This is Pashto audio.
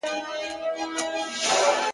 کوم ظالم چي مي افغان په کاڼو ولي,